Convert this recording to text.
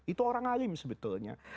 itu orang alim sebetulnya